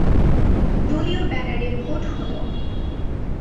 দলীয় ব্যানারে ভোট হলো।